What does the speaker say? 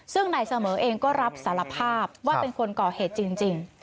ซึ่งนายเสมอเองก็รับสารภาพว่าเป็นคนก่อเหตุจริง